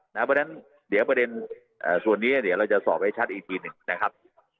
เพราะฉะนั้นเดี๋ยวประเด็นส่วนนี้เดี๋ยวเราจะสอบให้ชัดอีกทีหนึ่งนะครับ